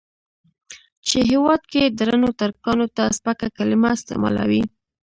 چې هېواد کې درنو ترکانو ته سپکه کليمه استعمالوي.